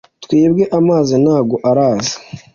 twebwe amazi ntago araza